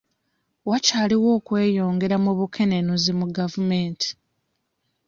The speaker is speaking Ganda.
Wakyaliwo okweyongera mu bukenenuzi mu gavumenti.